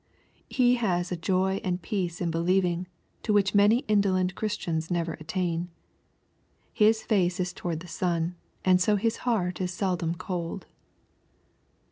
He has a joy and peace in believing to which many indolent Chris tians never attain. His face is toward the sun, and so his heart is seldom cold.